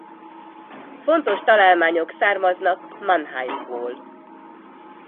Fontos találmányok származnak Mannheimból.